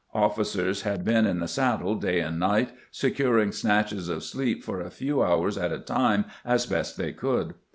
Officers had been in the saddle day CONDITION OF THE ARMY 211 and night, securing snatches of sleep for a few hours at a time as best they could.